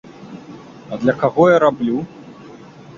А для каго я раблю?